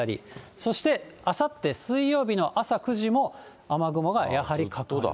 そして、あさって水曜日の朝９時も雨雲がやはりかかる。